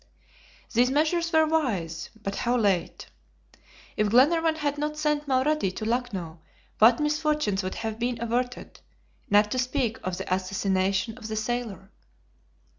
These measures were wise, but how late! If Glenarvan had not sent Mulrady to Lucknow what misfortunes would have been averted, not to speak of the assassination of the sailor!